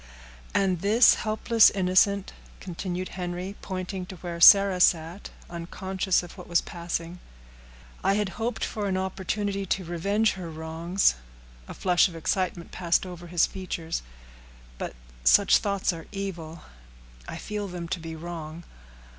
"And this helpless innocent," continued Henry, pointing to where Sarah sat, unconscious of what was passing, "I had hoped for an opportunity to revenge her wrongs;" a flush of excitement passed over his features; "but such thoughts are evil—I feel them to be wrong.